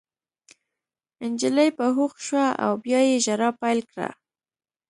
نجلۍ په هوښ شوه او بیا یې ژړا پیل کړه